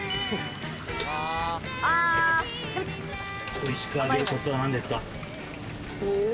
美味しく揚げるコツは何です